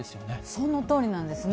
そのとおりなんですね。